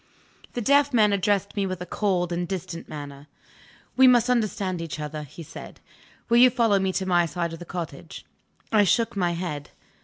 The deaf man addressed me with a cold and distant manner. "We must understand each other," he said. "Will you follow me to my side of the cottage?" I shook my head.